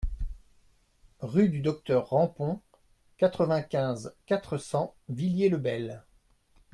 Rue du Docteur Rampont, quatre-vingt-quinze, quatre cents Villiers-le-Bel